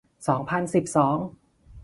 สองพันสิบสอง